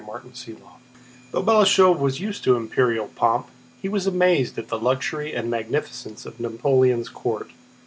CHAPTER VI Though Balashëv was used to imperial pomp, he was amazed at the luxury and magnificence of Napoleon's court.